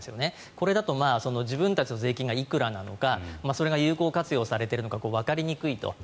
これだと自分たちの税金がいくらなのかそれが有効活用されているのかがわかりにくいと。